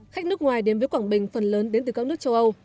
khách nước ngoài đến với quảng bình phần lớn đến từ các nước châu âu